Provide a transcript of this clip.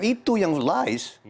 itu yang lias